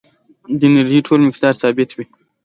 د انرژۍ ټول مقدار ثابت وي.